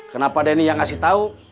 kenapa denny yang kasih tau